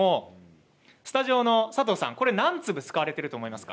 スタジオの佐藤さん何粒使われていると思いますか？